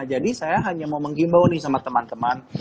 jadi saya hanya mau menggimbau nih sama teman teman